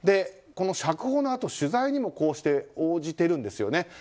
この釈放の後、取材にもこうして応じてるんですよね。